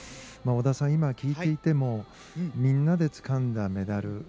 織田さん、今聞いていてもみんなでつかんだメダル。